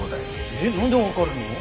えっなんでわかるの？